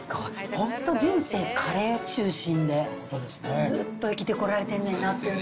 本当、人生カレー中心で、ずっと生きてこられてんねんなっていうのを。